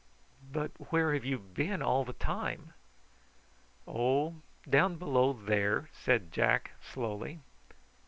"But where have you been all the time?" "Oh, down below there," said Jack slowly.